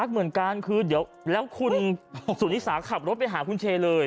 เหมือนกันคือเดี๋ยวแล้วคุณสุนิสาขับรถไปหาคุณเชเลย